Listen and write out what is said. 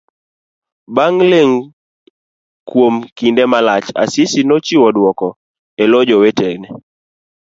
Bang' ling kuom kinde malach. Asisi nochiwo dwoko elo jowetene.